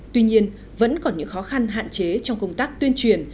tuy nhiên vẫn còn những khó khăn hạn chế trong công tác tuyên truyền